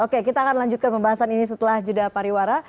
oke kita akan lanjutkan pembahasan ini setelah jeda pariwara